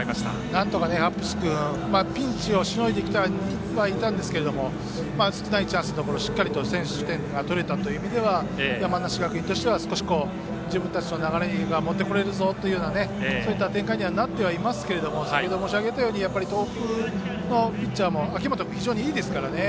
なんとかハッブス君ピンチをしのいでいたんですが少ないチャンスで、しっかりと先取点が取れたという意味では山梨学院としては自分たちに流れが持ってこれるぞというそういった展開になっていますが先程申し上げたように東北のピッチャー、秋本君も非常にいいですからね。